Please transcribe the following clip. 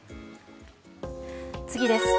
次です。